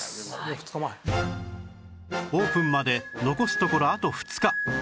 オープンまで残すところあと２日